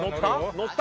乗った？